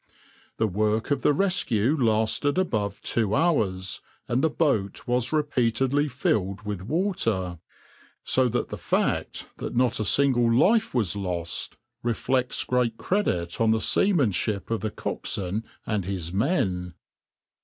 The work of rescue lasted above two hours, and the boat was repeatedly filled with water, so that the fact that not a single life was lost reflects great credit on the seamanship of the coxswain and his men.